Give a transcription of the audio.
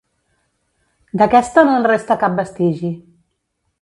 D'aquesta no en resta cap vestigi.